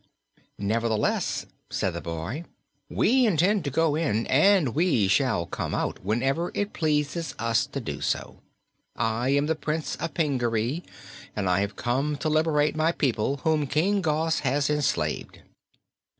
"Nevertheless," said the boy, "we intend to go in and we shall come out whenever it pleases us to do so. I am the Prince of Pingaree, and I have come to liberate my people, whom King Gos has enslaved."